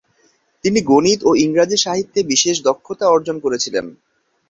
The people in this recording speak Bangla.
তিনি গণিত ও ইংরাজী সাহিত্যে বিশেষ দক্ষতা অর্জন করেছিলেন।